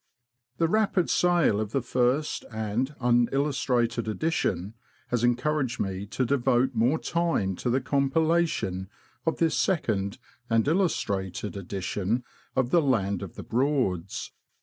The rapid sale of the First and Unillustrated Edition has encouraged me to devote more time to the com pilation of this Second, and Illustrated, Edition of the '* Land of the Broads."